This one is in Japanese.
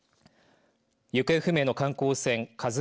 行方不明の観光船